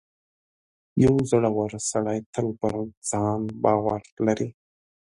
• یو زړور سړی تل پر ځان باور لري.